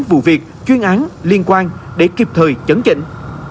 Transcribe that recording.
vụ việc chuyên án liên quan để kịp thời chấn chỉnh